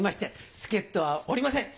助っ人はおりません。